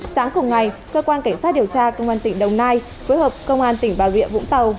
sáng cùng ngày cơ quan cảnh sát điều tra công an tỉnh đồng nai phối hợp công an tỉnh bà rịa vũng tàu